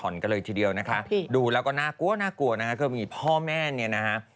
ไม่เกี่ยวกับเรื่องเล่นหวย